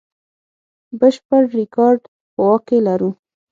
بشپړ ریکارډ په واک کې لرو.